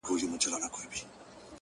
• مخ به در واړوم خو نه پوهېږم،